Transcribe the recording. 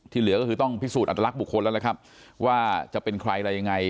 เหลือก็คือต้องพิสูจนอัตลักษณ์บุคคลแล้วล่ะครับว่าจะเป็นใครอะไรยังไง